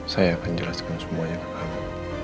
saya akan jelaskan semuanya ke kamu